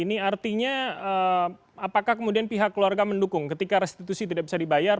ini artinya apakah kemudian pihak keluarga mendukung ketika restitusi tidak bisa dibayar